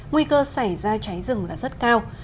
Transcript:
nguy cơ xảy ra cháy rừng là rất cao